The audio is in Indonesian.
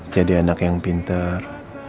jadi anak yang pintar